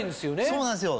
そうなんですよ。